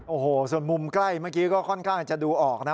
โอ้โหส่วนมุมใกล้เมื่อกี้ก็ค่อนข้างจะดูออกนะ